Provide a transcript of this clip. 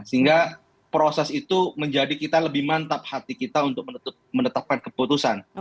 sehingga proses itu menjadi kita lebih mantap hati kita untuk menetapkan keputusan